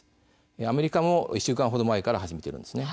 アメリカも１週間ほど前から始めています。